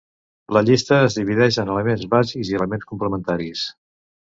La llista es divideix en elements bàsics i elements complementaris.